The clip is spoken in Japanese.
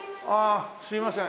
すいません。